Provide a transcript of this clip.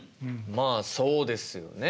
まあそうですよね。